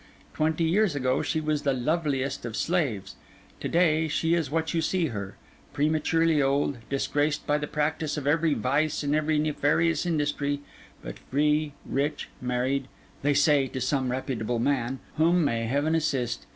Twenty years ago, she was the loveliest of slaves; to day she is what you see her—prematurely old, disgraced by the practice of every vice and every nefarious industry, but free, rich, married, they say, to some reputable man, whom may Heaven assist!